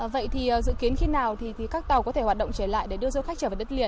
vậy thì dự kiến khi nào các tàu có thể hoạt động trở lại để đưa dâu khách trở về đất liền ạ